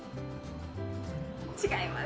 違います。